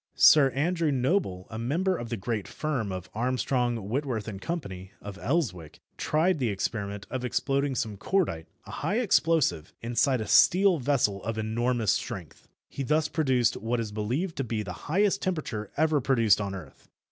Sir Andrew Noble, a member of the great firm of Armstrong, Whitworth & Co., of Elswick, tried the experiment of exploding some cordite, a high explosive, inside a steel vessel of enormous strength. He thus produced what is believed to be the highest temperature ever produced on earth.